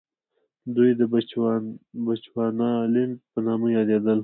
دوی د بچوانالنډ په نامه یادېدل.